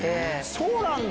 そうなんだ。